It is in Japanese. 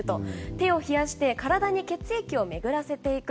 手を冷やして体に血液を巡らせていく